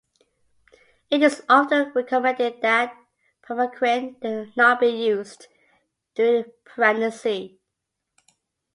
It is often recommended that primaquine not be used during pregnancy.